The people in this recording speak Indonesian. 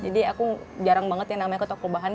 jadi aku jarang banget yang namanya ke toko bahan